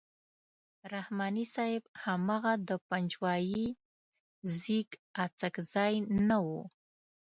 رحماني صاحب هماغه د پنجوایي زېږ اڅکزی نه وو.